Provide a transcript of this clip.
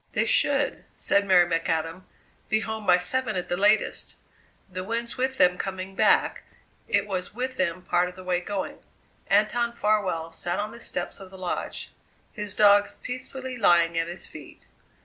"They should," said Mary McAdam, "be home by seven at the latest. The wind's with them coming back; it was with them part of the way going!" Anton Farwell sat on the steps of the Lodge, his dogs peacefully lying at his feet.